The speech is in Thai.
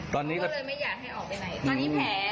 ตอนนี้ก็เขาก็เลยไม่อยากให้ออกไปไหน